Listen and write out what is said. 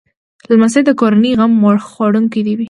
لمسی د کورنۍ غم خوړونکی وي.